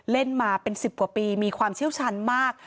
เล่นมาเป็น๑๐กว่าปีมีความเชี่ยวชันมาก